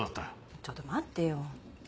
ちょっと待ってよ。